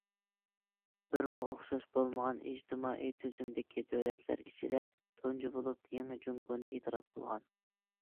بىرما ئوخشاش بولمىغان ئىجتىمائىي تۈزۈمدىكى دۆلەتلەر ئىچىدە تۇنجى بولۇپ يېڭى جۇڭگونى ئېتىراپ قىلغان.